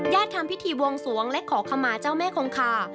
ทำพิธีบวงสวงและขอขมาเจ้าแม่คงคา